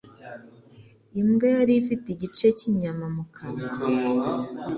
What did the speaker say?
Imbwa yari ifite igice cy'inyama mu kanwa.